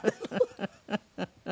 フフフフ。